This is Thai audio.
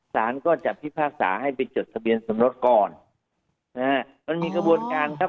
สารก็จะพิพากษาให้ไปจดทะเบียนสมรสก่อนนะฮะมันมีกระบวนการครับ